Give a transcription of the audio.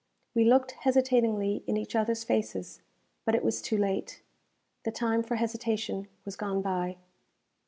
We looked hesitatingly in each others faces; but it was too late. The time for hesitation was gone by.